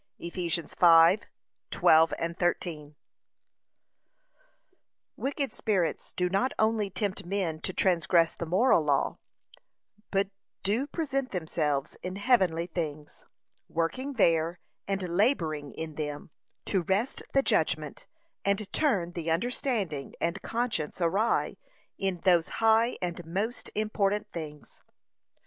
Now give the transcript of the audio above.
(Eph. 5:12, 13) Wicked spirits do not only tempt men to transgress the moral law, but do present themselves in heavenly things, working there, and labouring in them, to wrest the judgment, and turn the understanding and conscience awry in those high and most important things.